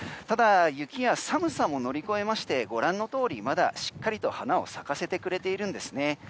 ただ、雪や寒さも乗り越えましてご覧のとおりまだしっかりと花を咲かせてくれているんです。